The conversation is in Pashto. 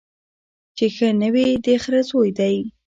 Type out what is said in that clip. چي ښه نه وي د خره زوی دی